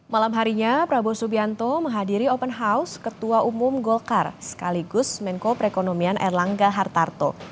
malam harinya prabowo subianto menghadiri open house ketua umum golkar sekaligus menko perekonomian erlangga hartarto